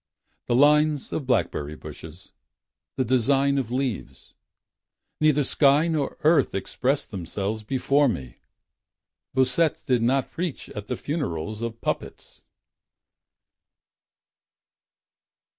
The lines of blackberry bushes. The design of leaves — Neither sky nor earth Express themselves before me... Bossuet did not preach at the funerals of puppets.